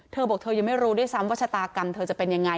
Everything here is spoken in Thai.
เธอบอกเธอยังไม่รู้ด้วยซ้ำว่าชะตากรรมเธอจะเป็นยังไง